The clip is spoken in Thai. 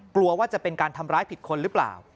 กลัวว่าจะเป็นการทำร้ายผิดคนหรือเปล่า